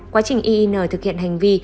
quá trình iin thực hiện hành vi